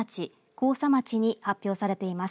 甲佐町に発表されています。